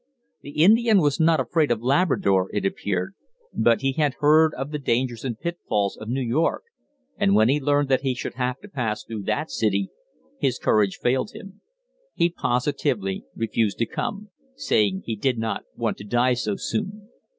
The Indian was not afraid of Labrador, it appeared, but he had heard of the dangers and pitfalls of New York, and when he learned that he should have to pass through that city, his courage failed him; he positively refused to come, saying he did not "want to die so soon."